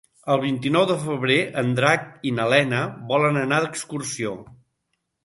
El vint-i-nou de febrer en Drac i na Lena volen anar d'excursió.